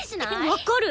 分かる！